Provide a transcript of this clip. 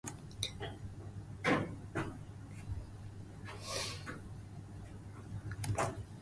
豊臣秀吉は激怒。戦略変更を石田三成に訴えた武将達は領地を減らされるなどの処罰を受けました。これが原因で石田三成を良く思わない人たちもちらほら。